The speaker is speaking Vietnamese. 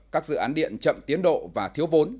các dự án điện chậm tiến độ và thiếu vốn